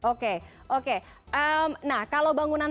oke oke nah kalau bangunan tahan itu bagaimana